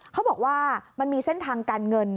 เขาบอกว่ามันมีเส้นทางการเงิน